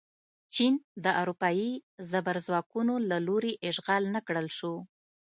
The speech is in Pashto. چین د اروپايي زبرځواکونو له لوري اشغال نه کړل شو.